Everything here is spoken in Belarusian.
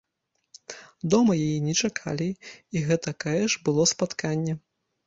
Дома яе не чакалі, і гэтакае ж было спатканне!